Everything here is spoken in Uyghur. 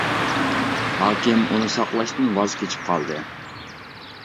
ھاكىم ئۇنى ساقلاشتىن ۋاز كېچىپ قالدى.